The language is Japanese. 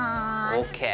ＯＫ。